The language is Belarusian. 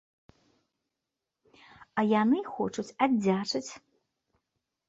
А яны хочуць аддзячыць.